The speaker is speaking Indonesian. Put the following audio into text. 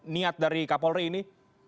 niat dari kapolri ini